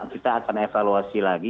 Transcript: kita akan evaluasi lagi